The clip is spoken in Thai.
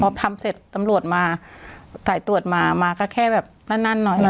พอทำเสร็จตำรวจมาสายตรวจมามาก็แค่แบบนั่นหน่อย